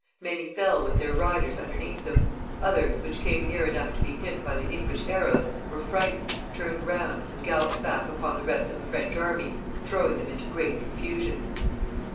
Many fell with their riders underneath them. 196 CHARLES VL [CH. Others, which came far enough to be hit by the English arrows, were frightened, turned round, and galloped back upon the rest of the French army, throwing them into great confusion.